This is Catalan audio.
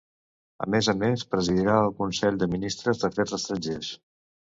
A més a més presidirà el Consell de ministres d'Afers estrangers.